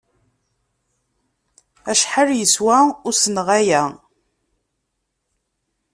Acḥal yeswa usenɣay-a?